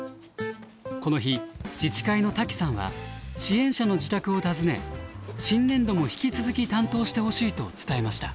この日自治会の滝さんは支援者の自宅を訪ね新年度も引き続き担当してほしいと伝えました。